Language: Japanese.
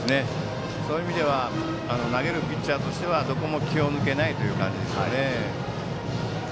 そういう意味では投げるピッチャーとしてはどこも気を抜けない感じですね。